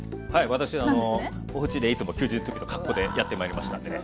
私おうちでいつも休日の時の格好でやってまいりましたんでね。